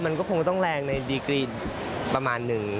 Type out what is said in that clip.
มันก็คงต้องแรงในดีกรีประมาณนึง